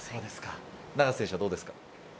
永瀬選手はどうですか？